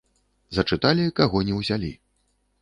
Зачыталі, каго не ўзялі.